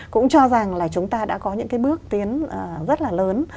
cũng cho rằng là chúng ta đã có những cái bước tiến rất là lớn